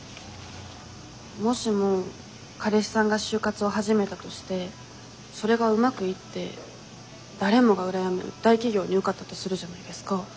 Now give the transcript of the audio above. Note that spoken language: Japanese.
もしも彼氏さんが就活を始めたとしてそれがうまくいって誰もが羨む大企業に受かったとするじゃないですか。